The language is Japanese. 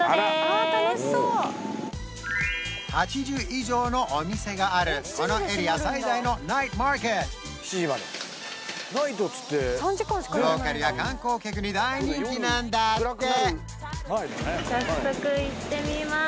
８０以上のお店があるこのエリア最大のナイトマーケットローカルや観光客に大人気なんだって